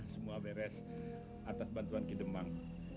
semua beres atas bantuan kidemang